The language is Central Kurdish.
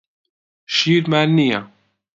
شیرمان نییە.